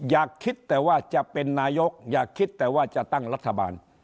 อยากคิดแต่ว่าจะเป็นนายกอย่าคิดแต่ว่าจะตั้งรัฐบาล